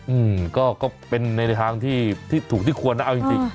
อืมก็เป็นในทางที่ถูกที่ควรนะเอาจริง